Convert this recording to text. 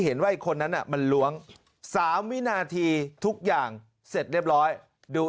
เห็นว่าไอ้คนนั้นมันล้วง๓วินาทีทุกอย่างเสร็จเรียบร้อยดู